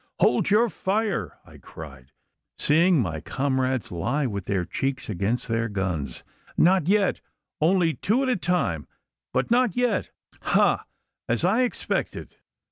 "Hold your fire!" I cried, seeing my comrades lie with their cheeks against their guns; "not yet! only two at a time but not yet! Ha! as I expected."